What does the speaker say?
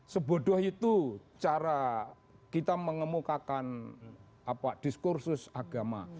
sebodoh itu cara kita mengemukakan diskursus agama